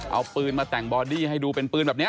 เอาปืนมาแต่งบอดี้ให้ดูเป็นปืนแบบนี้